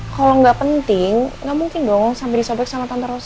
kalau nggak penting nggak mungkin dong sampai disebaik sama tante rosa